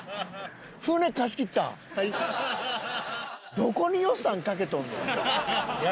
どこに予算かけとんのや。